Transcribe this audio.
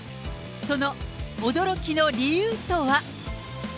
その驚きの理由とは。